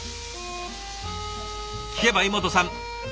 聞けば井本さん